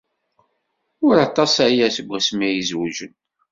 Ur aṭas aya seg wasmi ay zewjen.